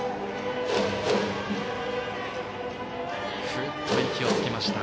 ふっと息をつきました。